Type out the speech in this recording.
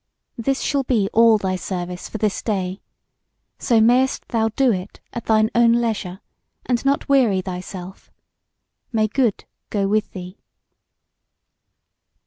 This shall be all thy service for this day, so mayst thou do it at thine own leisure, and not weary thyself. May good go with thee."